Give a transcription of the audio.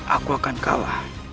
aku akan kalah